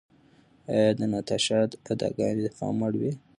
ایا د ناتاشا اداګانې د پام وړ وې؟